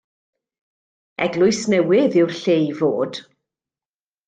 Eglwys Newydd yw'r lle i fod.